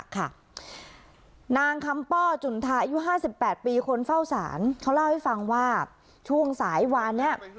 เขาร่าวให้ฟังว่าช่วงสายวันนี้